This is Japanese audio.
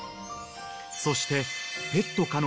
［そして］